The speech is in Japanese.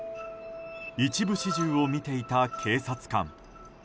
一部始終を見ていた警察官。